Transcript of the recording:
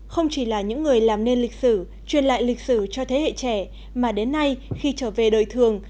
không chỉ là những người làm nên lịch sử truyền lại lịch sử cho thế hệ trẻ mà đến nay khi trở về đời thường